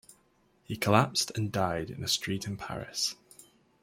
He collapsed and died in a street in Paris.